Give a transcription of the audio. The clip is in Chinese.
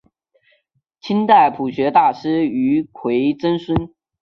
清代朴学大师俞樾曾孙。